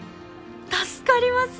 助かります！